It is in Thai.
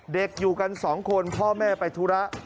อยู่กันสองคนพ่อแม่ไปธุระ